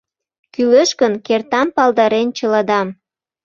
Кӱлеш гын, кертам палдарен чыладам...